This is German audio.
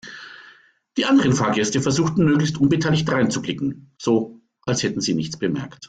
Die anderen Fahrgäste versuchten möglichst unbeteiligt dreinzublicken, so als hätten sie nichts bemerkt.